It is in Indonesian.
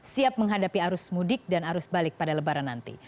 siap menghadapi arus mudik dan arus balik pada lebaran nanti